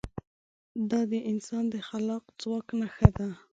دا د انسان د خلاق ځواک نښه ده.